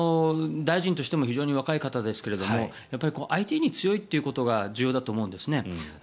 大臣としても非常に若い方ですがＩＴに強いということが重要だと思うんですね。